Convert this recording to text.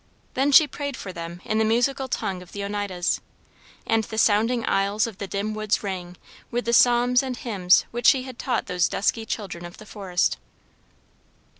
Then she prayed for them in the musical tongue of the Oneidas, and the "sounding aisles of the dim woods rang" with the psalms and hymns which she had taught those dusky children of the forest.